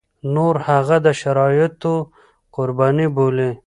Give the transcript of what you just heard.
نور هغه د شرايطو قرباني بولي.